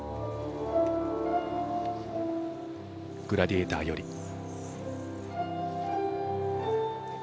「グラディエーター」より。